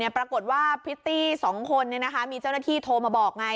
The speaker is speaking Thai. ปรากฏว่าพริตตี้๒คนมีเจ้าหน้าที่โทรมาบอกไง